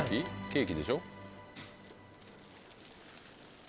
ケーキでしょ？